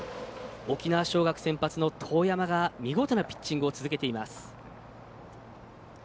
沖縄尚学先発の當山が見事なピッチングを続けています。